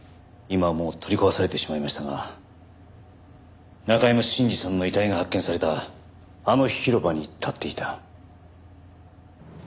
今はもう取り壊されてしまいましたが中山信二さんの遺体が発見されたあの広場に立っていた。